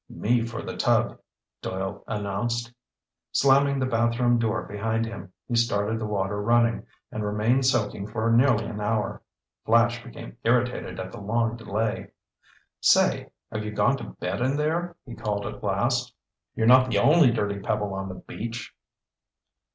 "Me for the tub," Doyle announced. Slamming the bathroom door behind him, he started the water running, and remained soaking for nearly an hour. Flash became irritated at the long delay. "Say, have you gone to bed in there?" he called at last. "You're not the only dirty pebble on the beach!"